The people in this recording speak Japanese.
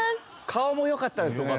顔もよかったですよね。